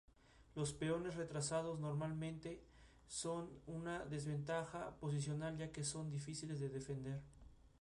Los peones retrasados normalmente son una desventaja posicional, ya que son difíciles de defender.